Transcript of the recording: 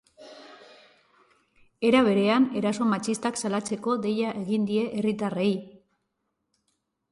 Era berean, eraso matxistak salatzeko deia egin die herritarrei.